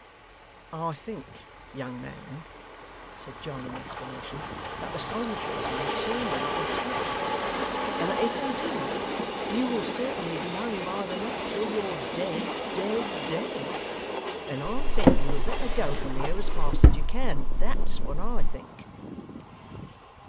'I think, young man,' said John, in explanation, 'that the soldiers may turn out and take you; and that if they do, you will certainly be hung by the neck till you're dead dead dead. And I think you had better go from here, as fast as you can. That's what I think.